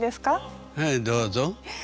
はいどうぞ。